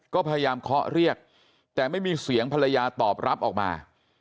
ก็พยายามเคาะเรียกแต่ไม่มีเสียงภรรยาตอบรับออกมา